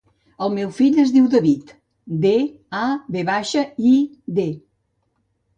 El meu fill es diu David: de, a, ve baixa, i, de.